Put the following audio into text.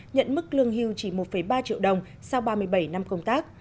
nhận mức lương hưu chỉ một ba triệu đồng sau ba mươi bảy năm công tác